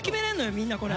みんなこれ。